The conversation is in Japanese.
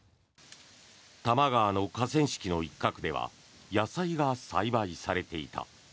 多摩川の河川敷の一角では野菜が栽培されていた。